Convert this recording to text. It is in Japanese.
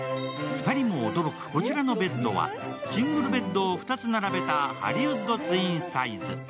２人も驚くこちらのベッドはシングルベッドを２つ並べたハリウッドツインサイズ。